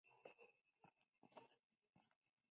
Johan Liss dejó un escaso número de obras.